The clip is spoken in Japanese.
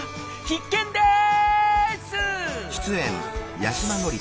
必見です！